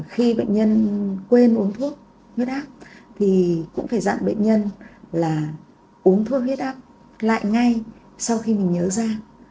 khi bệnh nhân quên uống thuốc huyết áp thì cũng phải dặn bệnh nhân là uống thuốc huyết áp lại ngay sau khi mình nhớ ra